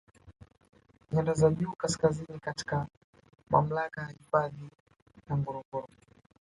Nyanda za juu Kaskazini katika mamlaka ya hifadhi ya Ngorongoro